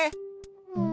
うん。